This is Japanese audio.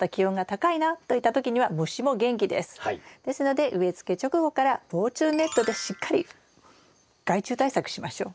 ですので植え付け直後から防虫ネットでしっかり害虫対策しましょう。